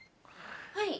はい。